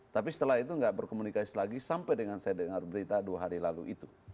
tapi setelah itu nggak berkomunikasi lagi sampai dengan saya dengar berita dua hari lalu itu